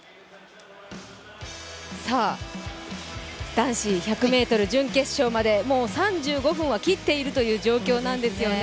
男子１００ｍ準決勝まで、もう３５分を切っているという状況なんですよね。